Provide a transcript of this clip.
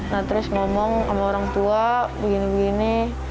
nah terus ngomong sama orang tua begini begini